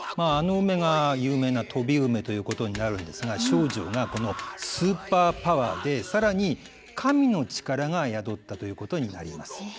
あの梅が有名な飛梅ということになるんですが丞相がこのスーパーパワーで更に神の力が宿ったということになります。